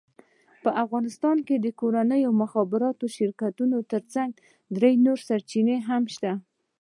په افغانستان کې د کورنیو مخابراتي شرکتونو ترڅنګ درې نورې سرچینې هم شته،